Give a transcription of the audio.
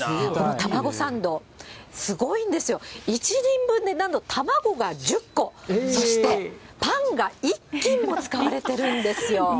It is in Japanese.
タマゴサンド、すごいんですよ、１人分で卵が１０個、そしてパンが１斤も使われてるんですよ。